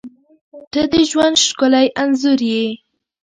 • ته د ژوند ښکلی انځور یې.